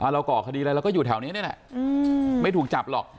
เราก่อคดีอะไรเราก็อยู่แถวนี้ไม่ถูกจับหรอก